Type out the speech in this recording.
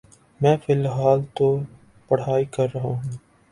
میں فلحال تو پڑہائی کر رہا۔